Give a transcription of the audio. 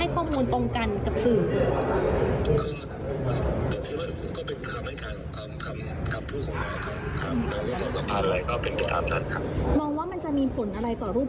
ก็คือความจริงครับ